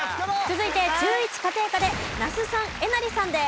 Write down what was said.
続いて中１家庭科で那須さんえなりさんです。